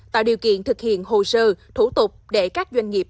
tạo điều kiện thực hiện hồ sơ thủ tục để các doanh nghiệp